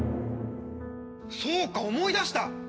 そうか思い出した！